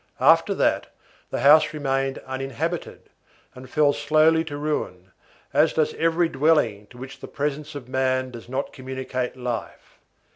After that, the house remained uninhabited, and fell slowly to ruin, as does every dwelling to which the presence of man does not communicate life.